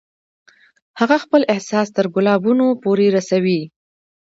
هغه خپل احساس تر ګلابونو پورې رسوي